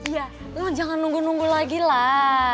ya lo jangan nunggu nunggu lagi lah